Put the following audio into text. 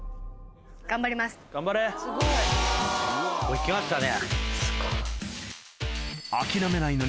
いきましたね。